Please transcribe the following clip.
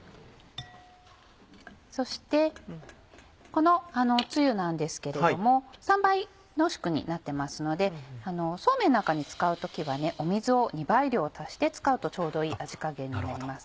そしてこのつゆなんですけれども３倍濃縮になってますのでそうめんなんかに使う時は水を２倍量足して使うとちょうどいい味加減になります。